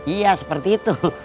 iya seperti itu